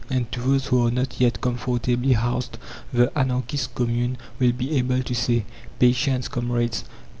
And to those who are not yet comfortably housed the anarchist Commune will be able to say: "Patience, comrades!